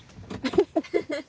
フフフフ！